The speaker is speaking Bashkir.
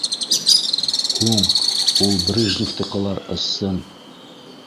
Һуң, ул Брижнифтыҡылар ысын!